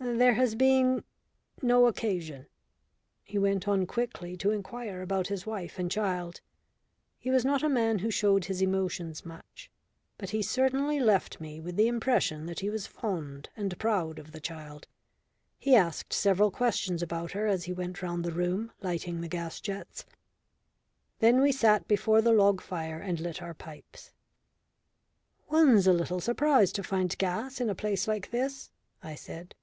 "There has been no occasion." He went on quickly to inquire about his wife and child. He was not a man who showed his emotions much, but he certainly left me with the impression that he was fond and proud of the child. He asked several questions about her as he went round the room, lighting the gas jets. Then we sat before the log fire and lit our pipes. "One's a little surprised to find gas in a place like this," I said.